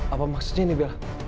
apa maksudnya ini bella